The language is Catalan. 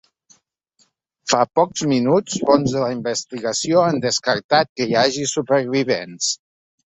Fa pocs minuts fonts de la investigació han descartat que hi hagi supervivents.